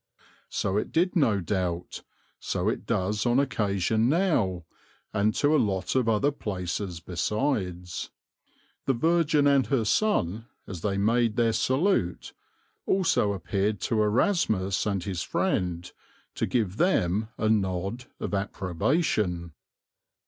So it did no doubt, so it does on occasion now, and to a lot of other places besides. "The Virgin and her Son, as they made their salute, also appeared to Erasmus and his friend, to give them a nod of approbation."